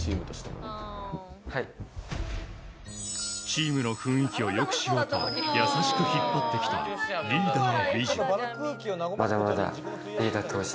チームの雰囲気を良くしようと優しく引っ張ってきたリーダー・ＥＪ。